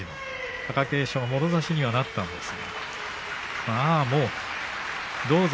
若隆景はもろ差しにはなったんですが。